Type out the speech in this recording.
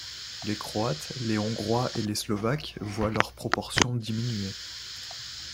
Les Croates, les Hongrois et les Slovaques voient leur proportion diminuer.